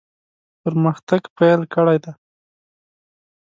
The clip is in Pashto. پرمختګ پیل کړی دی.